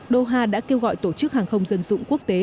doha đã kêu gọi tổ chức hàng không dân dụng quốc tế